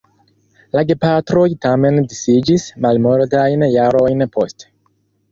La gepatroj tamen disiĝis malmultajn jarojn poste.